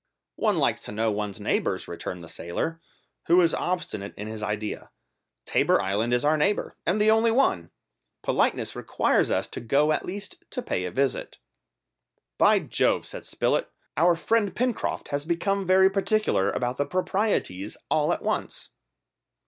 "One likes to know one's neighbours," returned the sailor, who was obstinate in his idea. "Tabor Island is our neighbour, and the only one! Politeness requires us to go at least to pay a visit." "By Jove," said Spilett; "our friend Pencroft has become very particular about the proprieties all at once!"